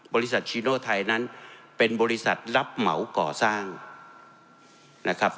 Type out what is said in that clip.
ซีโน่ไทยนั้นเป็นบริษัทรับเหมาก่อสร้างนะครับ